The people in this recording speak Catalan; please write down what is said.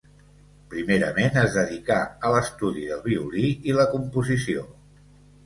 Primerament es dedicà a l'estudi del violí i la composició.